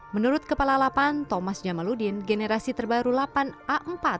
menurut kepala lapan thomas jamaludin generasi terbaru lapan a empat